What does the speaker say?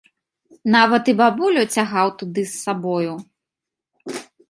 Нават і бабулю цягаў туды з сабою.